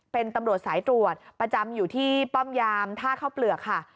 เป็นตำรวจสายตรวจประจำอยู่ที่ป้อมยามท่าข้าวเปลือกค่ะ